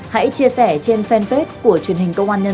hãy chia sẻ trên fanpage của truyền hình công an nhân dân